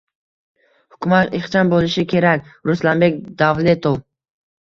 Hukumat ixcham bo‘lishi kerak — Ruslanbek Davletov